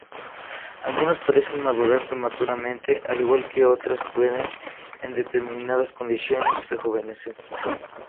Algunas, parecen madurar prematuramente, al igual que otras pueden, en determinadas condiciones, rejuvenecer.